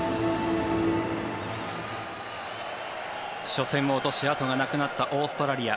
初戦を落とし後がなくなったオーストラリア。